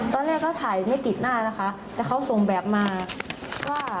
ตอนแรกเขาถ่ายไม่ติดหน้านะคะแต่เขาส่งแบบมาว่า